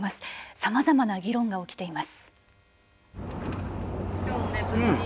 さまざまな議論が起きています。